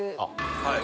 はい。